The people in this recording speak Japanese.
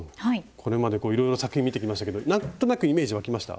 これまでいろいろと作品見てきましたけど何となくイメージわきました？